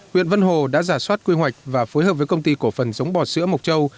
huyện vân hồ đã giả soát quy hoạch và phối hợp với công ty cổ phần giống bò sữa mộc châu